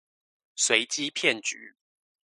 隨機騙局